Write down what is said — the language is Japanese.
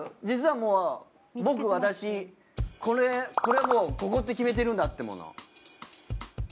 実はもう僕私これはもうここって決めてるんだってもの。